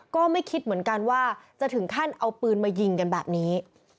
ก็ไม่คิดเหมือนกันว่าจะถึงขั้นเอาปืนมายิงกันแบบนี้